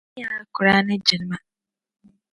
Timiya Alkur’aani yɛlimaŋli.